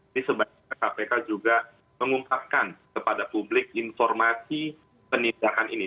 ini sebaiknya kpk juga mengungkapkan kepada publik informasi penindakan ini